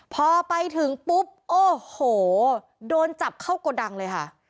พอไปถึงปุ๊บโอ้โหโดนจับเข้าโกดังเลยค่ะ